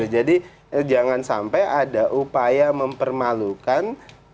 jadi jangan sampai ada upaya mempermalukan